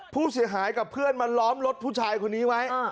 ผู้เสียหายกับเพื่อนมาล้อมรถผู้ชายคนนี้ไว้